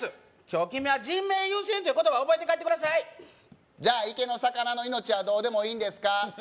今日君は「人命優先」という言葉を覚えて帰ってくださいじゃあ池の魚の命はどうでもいいんですか？